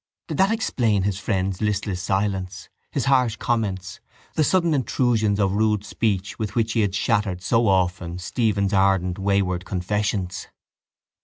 Did that explain his friend's listless silence, his harsh comments, the sudden intrusions of rude speech with which he had shattered so often Stephen's ardent wayward confessions?